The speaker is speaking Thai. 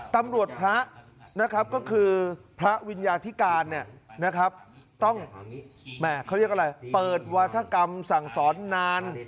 ตำรวจพระนะครับก็คือพระวิญญาธิการเนี่ยนะครับต้องเขาเรียกอะไรเปิดวาธกรรมสั่งสอนนาน